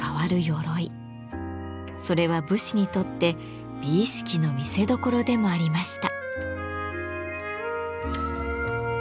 それは武士にとって美意識の見せどころでもありました。